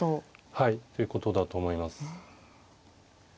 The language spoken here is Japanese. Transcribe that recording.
はいということだと思います。